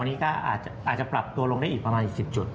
อันนี้ก็อาจจะปรับตัวลงได้อีกประมาณอีก๑๐จุด